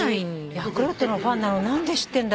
私ヤクルトのファンなの何で知ってんだろう。